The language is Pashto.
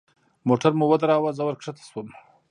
موټر مو ودراوه زه ورکښته سوم.